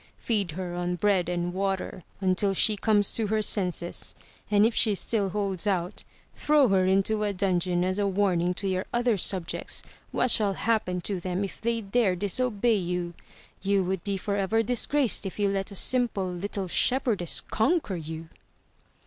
Feed her on bread and water until she comes to her senses, and if she still holds out, throw her into a dungeon as a warning to your other subjects what shall happen to them if they dare disobey you. You would be forever disgraced if you let a simple Uttle shepherdess conquer you!"